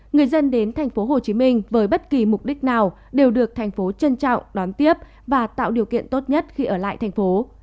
người dân đến tp hcm với bất kỳ mục đích nào đều được thành phố trân trọng đón tiếp và tạo điều kiện tốt nhất khi ở lại thành phố